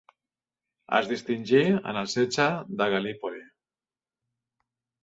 Es distingí en el setge de Gal·lípoli.